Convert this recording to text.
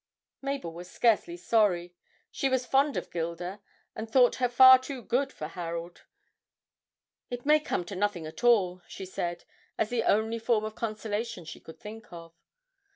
Mabel was sincerely sorry. She was fond of Gilda, and thought her far too good for Harold. 'It may come to nothing after all,' she said, as the only form of consolation she could think of.